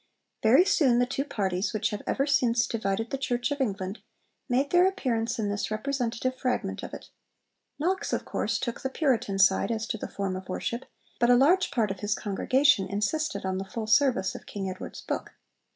Very soon the two parties, which have ever since divided the Church of England, made their appearance in this representative fragment of it. Knox, of course, took the Puritan side as to the form of worship; but a large part of his congregation insisted on the full service of King Edward's book.